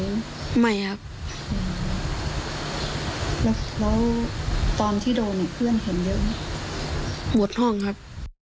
ไม่ครับแล้วตอนที่โดนเพื่อนเห็นเยอะหมดห้องครับ